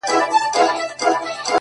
زه د ښار ښايستې لكه كمر تر ملا تړلى يم’